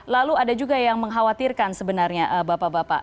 lalu ada juga yang mengkhawatirkan sebenarnya bapak bapak